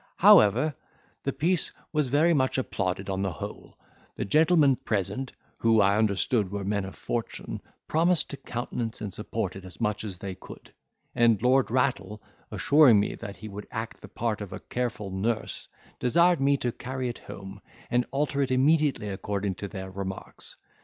However, the piece was very much applauded on the whole; the gentlemen present, who, I understood, were men of fortune, promised to countenance and support it as much as they could; and Lord Rattle, assuring me that he would act the part of a careful nurse to it, desired me to carry it home, and alter it immediately according to their remarks.